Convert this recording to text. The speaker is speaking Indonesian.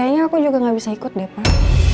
kayaknya aku juga gak bisa ikut deh pak